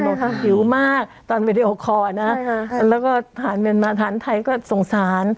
โหยิวมากตอนวีดีโอคอร์นะใช่ค่ะแล้วก็ฐานเวียนมาฐานไทยก็สงสาร